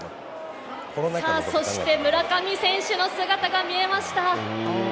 村上選手の姿が見えました。